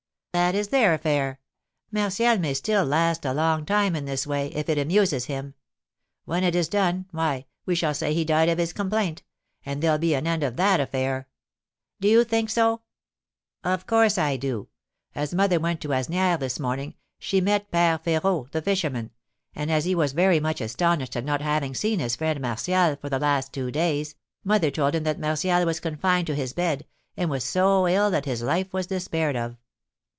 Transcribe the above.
"That is their affair. Martial may still last a long time in this way, if it amuses him. When it is done, why, we shall say he died of his complaint, and there'll be an end of that affair." "Do you think so?" "Of course I do. As mother went to Asnières this morning, she met Père Férot, the fisherman, and, as he was very much astonished at not having seen his friend Martial for the last two days, mother told him that Martial was confined to his bed, and was so ill that his life was despaired of.